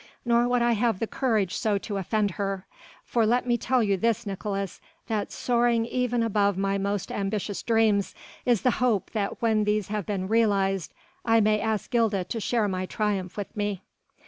Nor would I have the courage so to offend her: for let me tell you this, Nicolaes, that soaring even above my most ambitious dreams, is the hope that when these have been realized, I may ask Gilda to share my triumph with me."